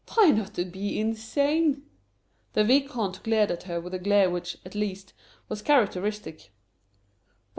"Try not to be insane." The Vicomte glared at her with a glare which, at least, was characteristic.